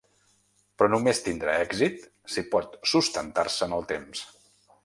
Però només tindrà èxit si pot sustentar-se en el temps.